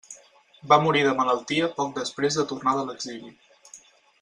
Va morir de malaltia poc després de tornar de l'exili.